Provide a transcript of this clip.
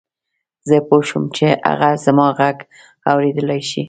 زه پوه شوم چې هغه زما غږ اورېدلای شي.